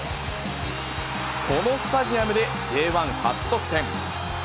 このスタジアムでＪ１初得点。